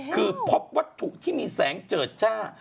คือพบวัตถุที่มีแสงเจิดจ้า